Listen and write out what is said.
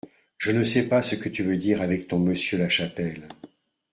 Je ne sais pas ce que tu veux dire avec ton Monsieur Lachapelle !